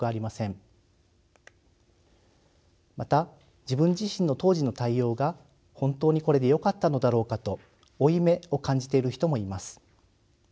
また自分自身の当時の対応が本当にこれでよかったのだろうかと負い目を感じている人もいます。